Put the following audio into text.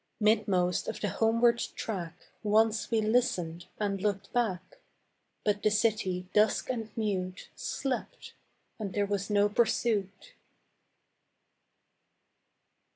Midmost of the homeward track Once we listened and looked back; But the city, dusk and mute, Slept, and there was no pursuit.